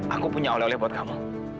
aku punya oleh oleh buat kamu